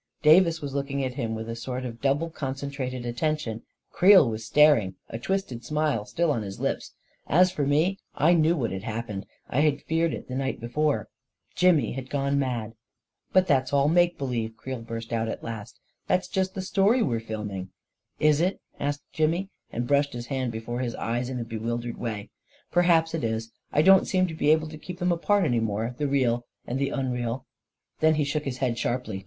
Davis was looking at him with a sort of double concentrated attention; Creel was staring, a twisted smile still on his lips ; as for me — I knew what had happened — I had feared it the night before —> Jimmy had gone mad ! 44 But that's all make believe 1 " Creel burst out, at last. " That's just the story we're filming." 268 A KING IN BABYLON " Is it? " asked Jimmy, and brushed his hand be fore his eyes in a bewildered way. " Perhaps it is — I don't seem to be able to keep them apart any more — the real and the unreal." Then he shook his head sharply.